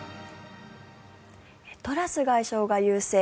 トラス外相が優勢